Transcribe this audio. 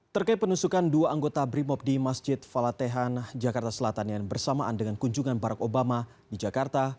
terkait penusukan dua anggota brimob di masjid falatehan jakarta selatan yang bersamaan dengan kunjungan barack obama di jakarta